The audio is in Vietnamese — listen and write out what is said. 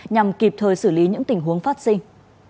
nhằm kịp thời xử lý những tình huống phát sinh